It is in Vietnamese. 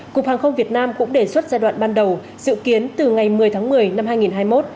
cục hàng không việt nam cũng đề xuất giai đoạn ban đầu dự kiến từ ngày một mươi tháng một mươi năm hai nghìn hai mươi một